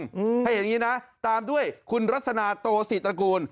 ถ้าเห็นอย่างนี้นะตามด้วยคุณรัฐสนาโตสิทธิ์ตระกูล